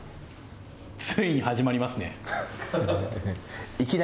ついに始まりますね。